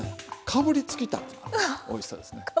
かぶりつきたくなるおいしさですね。